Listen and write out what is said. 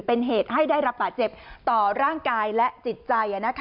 เป็นเหตุให้ได้รับบาดเจ็บต่อร่างกายและจิตใจ